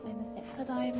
ただいま。